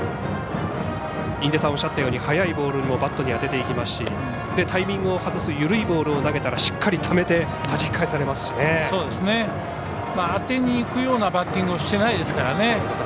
印出さんがおっしゃったように速いボールもバットに当ててきますしタイミングを外す緩いボールを投げたらしっかりためて当てにいくようなバッティングをしてないですから。